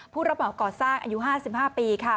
ผู้ระเหมาก่อสร้างอายุ๕๕ปีค่ะ